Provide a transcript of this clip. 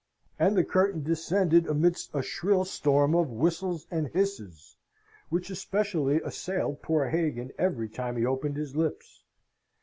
And the curtain descended amidst a shrill storm of whistles and hisses, which especially assailed poor Hagan every time he opened his lips.